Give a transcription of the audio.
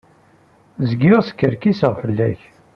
Zgiɣ skerkiseɣ fell-ak.